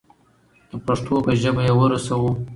د پښتو په ژبه یې ورسوو.